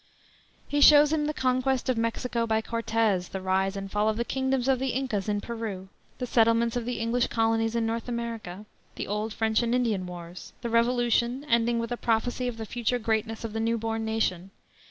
He shows him the conquest of Mexico by Cortez; the rise and fall of the kingdom of the Incas in Peru; the settlements of the English Colonies in North America; the old French and Indian Wars; the Revolution, ending with a prophecy of the future greatness of the new born nation.